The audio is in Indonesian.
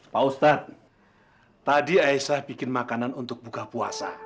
pak ustadz tadi aisyah bikin makanan untuk buka puasa